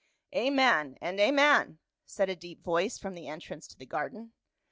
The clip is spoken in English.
" "Amen and amen," said a deep voice from the entrance to the garden.